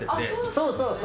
そうそうそう。